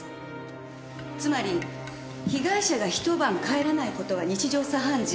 つまり被害者が一晩帰らない事は日常茶飯事。